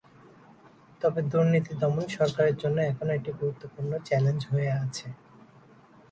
তবে দুর্নীতি দমন সরকারের জন্য এখনো একটি গুরুত্বপূর্ণ চ্যালেঞ্জ হয়ে আছে।